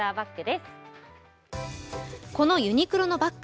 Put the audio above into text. このユニクロのバッグ。